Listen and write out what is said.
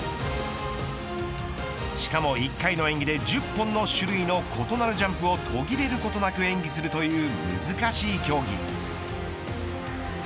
しかも１回の演技で１０本の種類の異なるジャンプを途切れることなく演技するという難しい競技。